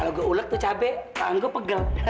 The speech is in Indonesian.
kalau gue ulek tuh cabai tangan gue pegel